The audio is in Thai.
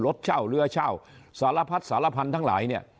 รถเช่าเรือเช่าสารพัดสารพันธุ์ทั้งหลายเนี่ย